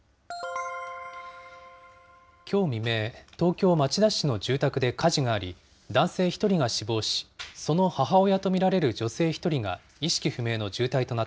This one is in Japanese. きょう未明、東京・町田市の住宅で火事があり、男性１人が死亡し、その母親と見られる女性１人が意識不明の重体